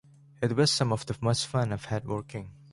It was some of the most fun I've had working.